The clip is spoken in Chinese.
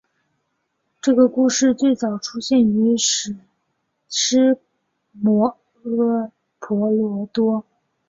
这个故事最早出现于史诗摩诃婆罗多。